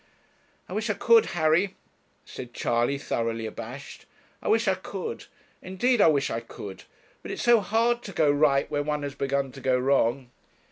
'I wish I could, Harry,' said Charley, thoroughly abashed; 'I wish I could indeed I wish I could but it is so hard to go right when one has begun to go wrong.'